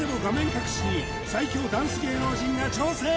隠しに最強ダンス芸能人が挑戦！